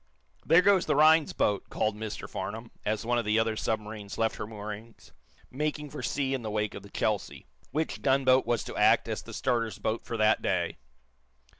"There goes the Rhinds boats" called Mr Farnum, as one of the other submarines left her moorings, making for sea in the wake of the "Chelsea," which gunboat was to act as the starter's boat for that day.